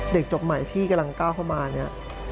จบใหม่ที่กำลังก้าวเข้ามาเนี่ย